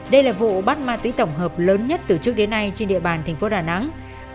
đây là vụ bắt ma túy tổng hợp lớn nhất từ trước đến nay trên địa bàn thành phố đà nẵng